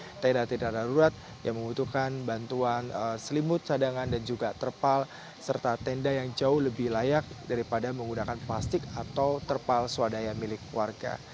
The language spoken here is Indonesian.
ada tenda tenda darurat yang membutuhkan bantuan selimut cadangan dan juga terpal serta tenda yang jauh lebih layak daripada menggunakan plastik atau terpal swadaya milik warga